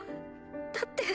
だって。